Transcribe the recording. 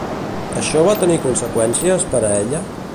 Això va tenir conseqüències per a ella?